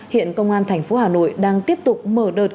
hiện công an thành phố hà nội đang tiếp tục mở đợt